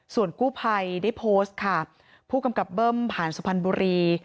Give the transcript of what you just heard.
ส่วนกู้ภัยได้โพสต์ค่ะผู้กำกับเบิ้มผ่านสุพรรณบุรี